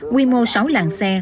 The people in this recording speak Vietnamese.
quy mô sáu làng xe